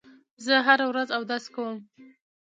زه هره ورځ اودس کوم.